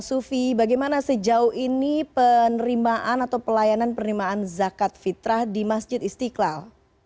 sufi bagaimana sejauh ini penerimaan atau pelayanan penerimaan zakat fitrah di masjid istiqlal